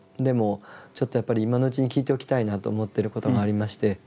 でもちょっとやっぱり今のうちに聞いておきたいなと思ってることがありまして。